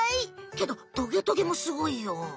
けどトゲトゲもすごいよ！